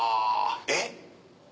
えっ？